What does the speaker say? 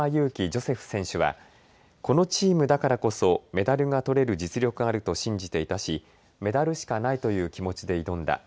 ジョセフ選手はこのチームだからこそメダルが取れる実力があると信じていたしメダルしかないという気持ちで挑んだ。